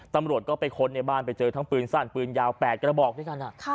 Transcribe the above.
ตำรวจก็ไปค้นในบ้านไปเจอทั้งปืนสั้นปืนยาว๘กระบอกด้วยกัน